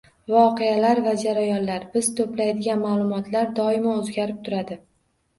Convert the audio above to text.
Voqealar va jarayonlar, biz to'playdigan ma'lumotlar doimo o'zgarib turadi